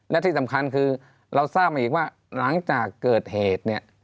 และที่สำคัญคือเราทราบมาอีกว่าหลังจากเกิดเหตุเนี่ย